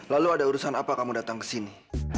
lalu ada urusan apa kamu datang ke sini